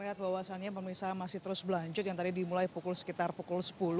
kita lihat bahwasannya pemirsa masih terus berlanjut yang tadi dimulai sekitar pukul sepuluh